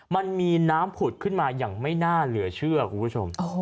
มันมีน้ำผุดขึ้นมาอย่างไม่น่าเหลือเชื่อคุณผู้ชม